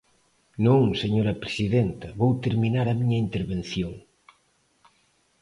Non, señora presidenta, vou terminar a miña intervención.